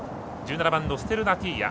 １７番のステルナティーア。